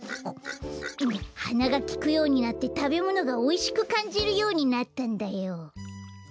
はながきくようになってたべものがおいしくかんじるようになったんだよ。